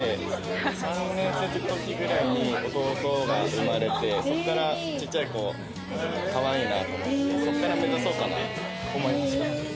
中学生３年生くらいのときに弟が生まれて、そっからちっちゃい子、かわいいなと思って、そこから目指そうかなと思いました。